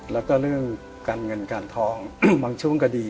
แล้วก็เรื่องการเงินการทองบางช่วงก็ดี